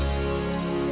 ibu yang menjaga saya